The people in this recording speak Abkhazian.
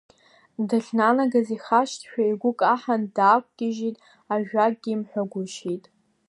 Дахьнанагаз ихашҭшәа, игәы каҳан даақәгьежьит, ажәакгьы имҳәагәышьеит.